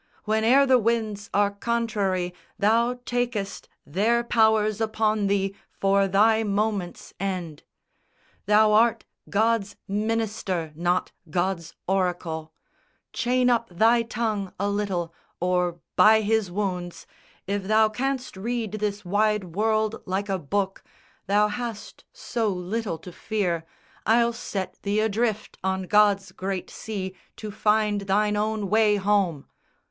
Whene'er the winds are contrary, thou takest Their powers upon thee for thy moment's end. Thou art God's minister, not God's oracle: Chain up thy tongue a little, or, by His wounds, If thou canst read this wide world like a book, Thou hast so little to fear, I'll set thee adrift On God's great sea to find thine own way home.